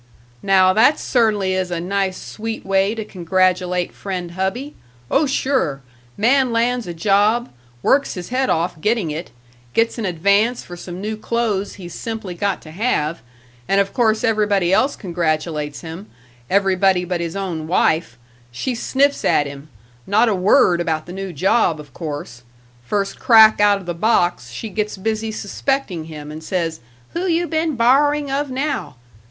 "Now that cer'nly is a nice, sweet way to congratulate friend hubby. Oh, sure! Man lands a job, works his head off getting it, gets an advance for some new clothes he's simply got to have, and of course everybody else congratulates him everybody but his own wife. She sniffs at him not a word about the new job, of course. First crack outa the box, she gets busy suspecting him, and says, 'Who you been borrowing of now?'